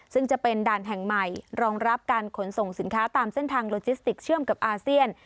ซึ่งจะเป็นด่านแห่งใหม่รองรับการขนส่งสินค้าตามเส้นทางโลจิสติกเชื่อมกับอาเซียน